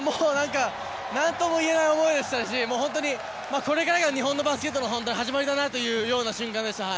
何とも言えない思いでしたしこれから日本のバスケットの始まりだなという瞬間でした。